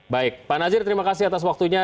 baik pak nazir terima kasih atas waktunya